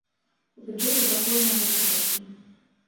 У бюджэце бракуе на гэта грошай.